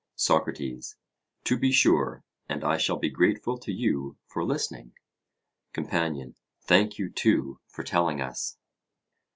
SOCRATES: To be sure; and I shall be grateful to you for listening. COMPANION: Thank you, too, for telling us.